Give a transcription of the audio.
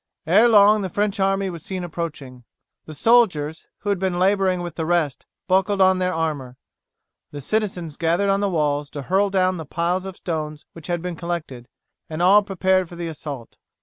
Ere long the French army was seen approaching. The soldiers, who had been labouring with the rest, buckled on their armour. The citizens gathered on the walls to hurl down the piles of stones which had been collected, and all prepared for the assault.